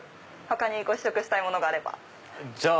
他にご試食したいものがあれば。